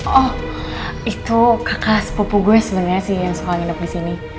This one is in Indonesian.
oh itu kakak sepupu gue sebenarnya sih yang suka nginep di sini